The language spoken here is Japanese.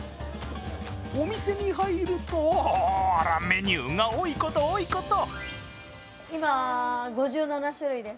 お店に入ると、あら、メニューが多いこと、多いこと。